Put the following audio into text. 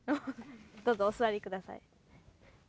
どうぞ、お座りください。